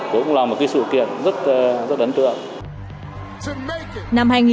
cũng là một cái sự kiện rất đấn tượng